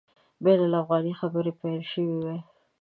بین الافغاني خبري پیل سوي وای.